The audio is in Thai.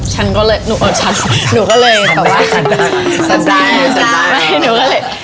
ฉันก็เลยหนูก็เลย